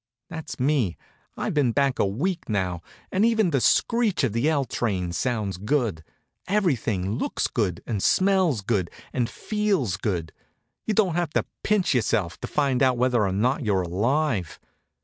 That's me. I've been back a week now, and even the screech of the L trains sounds good. Everything looks good, and smells good, and feels good. You don't have to pinch yourself to find out whether or not you're alive.